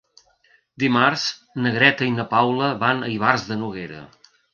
Dimarts na Greta i na Paula van a Ivars de Noguera.